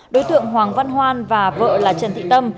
đối tượng hoàng văn hoan và vợ là trần thị tâm